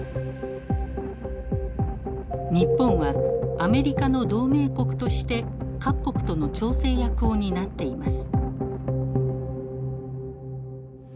日本はアメリカの同盟国として各国との調整役を担っています。